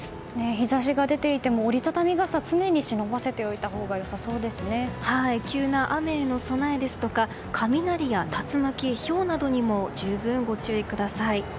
日差しが出ていても折り畳み傘は忍ばせていたほうが急な雨への備えですとか雷や竜巻、ひょうなどにも十分ご注意ください。